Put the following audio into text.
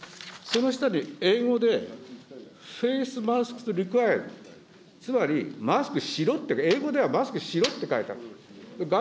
その下に英語で、フェイス・マスク・、つまりマスクしろって、英語ではマスクしろって書いてある。